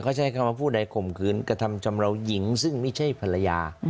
เขาใช้คำว่าผู้ใดข่มขืนกระทำชำราวหญิงซึ่งไม่ใช่ภรรยา